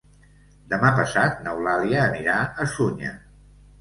Demà passat n'Eulàlia anirà a Sunyer.